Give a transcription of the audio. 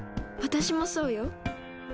私もそうよ。